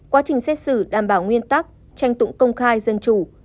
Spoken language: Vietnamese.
quá trình xét xử đảm bảo nguyên tắc tranh tụng công khai dân chủ